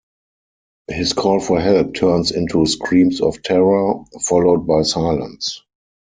His call for help turns into screams of terror, followed by silence.